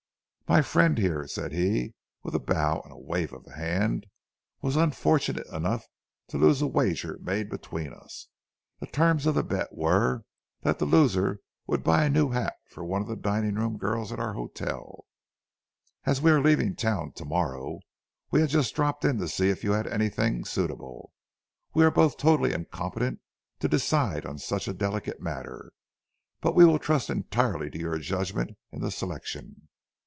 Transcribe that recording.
"'My friend here,' said he, with a bow and a wave of the hand, 'was unfortunate enough to lose a wager made between us. The terms of the bet were that the loser was to buy a new hat for one of the dining room girls at our hotel. As we are leaving town to morrow, we have just dropped in to see if you have anything suitable. We are both totally incompetent to decide on such a delicate matter, but we will trust entirely to your judgment in the selection.'